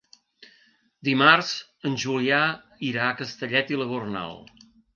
Dimarts en Julià irà a Castellet i la Gornal.